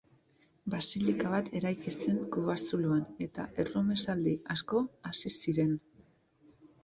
Basilika bat eraiki zen kobazuloan eta erromesaldi asko hasi ziren.